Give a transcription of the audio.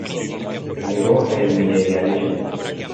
Negó el Milenarismo.